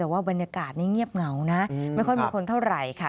แต่ว่าบรรยากาศนี้เงียบเหงานะไม่ค่อยมีคนเท่าไหร่ค่ะ